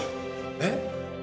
えっ？